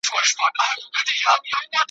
د وګړو آوازونه لوړېدله ,